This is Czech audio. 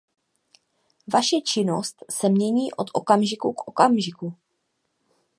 Vaše činnost se mění od okamžiku k okamžiku.